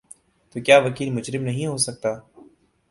تو کیا وکیل مجرم نہیں ہو سکتا؟